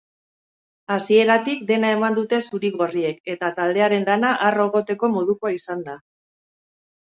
Hasieratik dena eman dute zuri-gorriek eta taldearen lana harro egoteko modukoa izan da.